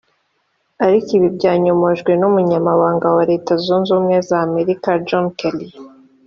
Ariko ibi byanyomojwe n’Umunyamabanga wa Leta Zunze ubumwe za Amerika John Kelly